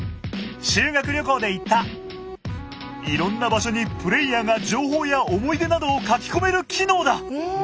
いろんな場所にプレイヤーが情報や思い出などを書き込める機能だ。